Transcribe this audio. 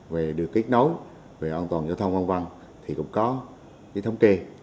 về được kết nối về an toàn giao thông văn văn thì cũng có cái thống kê